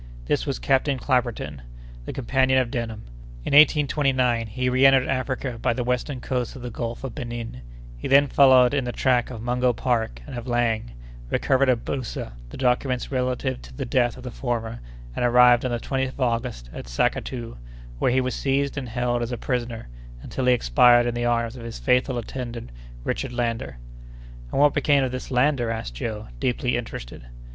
This was Captain Clapperton, the companion of Denham. In 1829 he reentered Africa by the western coast of the Gulf of Benin; he then followed in the track of Mungo Park and of Laing, recovered at Boussa the documents relative to the death of the former, and arrived on the 20th of August at Sackatoo, where he was seized and held as a prisoner, until he expired in the arms of his faithful attendant Richard Lander." "And what became of this Lander?" asked Joe, deeply interested.